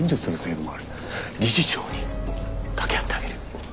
理事長に掛け合ってあげるよ。